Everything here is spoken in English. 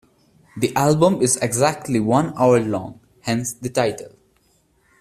The album is exactly one hour long, hence the title.